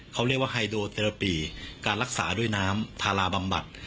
เขาเรียกว่าไฮโดแต่ละปีการรักษาด้วยน้ำทาราบำบัด